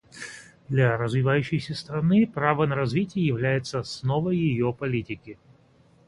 Для развивающейся страны право на развитие является основой ее политики.